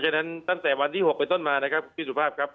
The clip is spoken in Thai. ฉะนั้นตั้งแต่วันที่๖ไปต้นมานะครับพี่สุภาพครับ